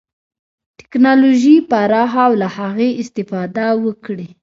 ټکنالوژي پراخه او له هغې استفاده وکړي.